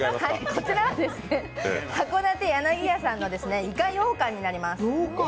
こちらははこだて柳屋さんの、いかようかんになります。